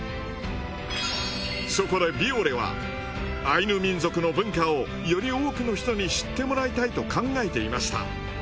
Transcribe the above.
そこで美俺はアイヌ民族の文化をより多くの人に知ってもらいたいと考えていました。